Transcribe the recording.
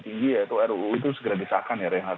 tinggi yaitu ruu itu segera disahkan ya reinhard